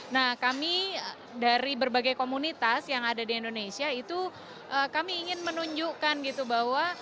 nah kami dari berbagai komunitas yang ada di indonesia itu kami ingin menunjukkan gitu bahwa